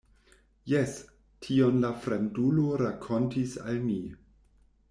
Jes, tion la fremdulo rakontis al mi.